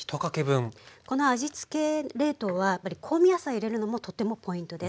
この味つけ冷凍はやっぱり香味野菜入れるのもとってもポイントです。